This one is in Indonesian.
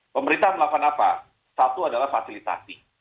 pemerintah melakukan apa satu adalah fasilitasi